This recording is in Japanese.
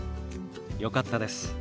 よかったです。